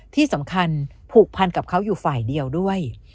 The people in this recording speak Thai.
ที่สำคัญผูกพันกับเขาอยู่ฝ่ายเดียวด้วย